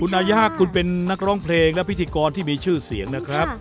นาย่าคุณเป็นนักร้องเพลงและพิธีกรที่มีชื่อเสียงนะครับ